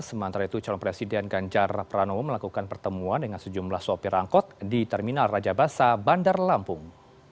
sementara itu calon presiden ganjar pranowo melakukan pertemuan dengan sejumlah sopir angkot di terminal raja basa bandar lampung